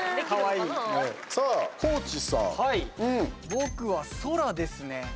僕は空ですね。